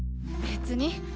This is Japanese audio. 別に。